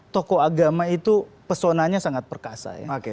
tokoh agama itu pesonanya sangat perkasa ya